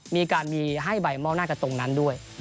มีการมีให้ใบมอบหน้ากันตรงนั้นด้วย